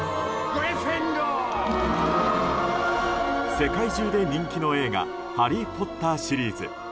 世界中で人気の映画「ハリー・ポッター」シリーズ。